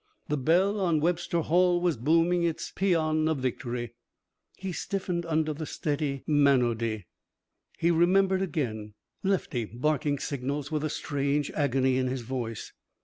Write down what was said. The bell on Webster Hall was booming its pæan of victory. He stiffened under the steady monody. He remembered again. Lefty barking signals with a strange agony in his voice.